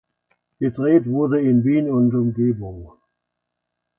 Gedreht wurde in Wien und Umgebung.